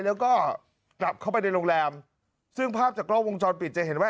แล้วก็กลับเข้าไปในโรงแรมซึ่งภาพจากกล้องวงจรปิดจะเห็นว่า